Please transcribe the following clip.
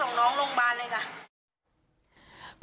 ก็ส่งน้องหลงบ้านเลยค่ะ